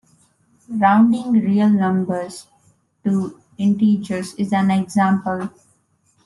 Rounding real numbers to integers is an example.